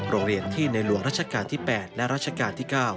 โรงเรียนที่ในหลวงรัชกาลที่๘และรัชกาลที่๙